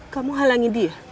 kamu halangi dia